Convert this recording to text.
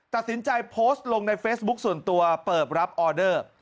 ตัดสินใจโพสต์ลงในเฟซบุ๊คส่วนตัวเปิดรับออเดอร์